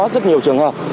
cũng có rất nhiều trường hợp